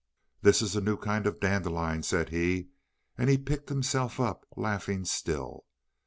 "That is a new kind of dandelion," said he, and he picked himself up, laughing still.